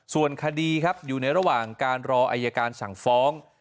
ส่วนคดีครับอยู่ในระหว่างการรออายการสั่งฟ้อง